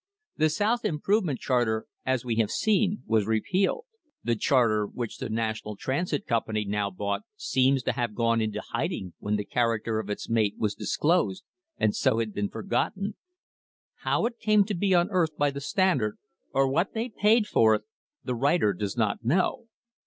THE FIGHT FOR THE SEABOARD PIPE LINE which the National Transit Company now bought seems to have gone into hiding when the character of its mate was dis closed and so had been forgotten. How it came to be unearthed by the Standard or what they paid for it, the writer does not know.